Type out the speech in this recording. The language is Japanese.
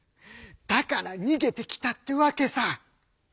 だから逃げてきたってわけさ」。